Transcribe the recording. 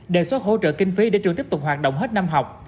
đề xuất hỗ trợ kinh phí để trường tiếp tục hoạt động hết năm học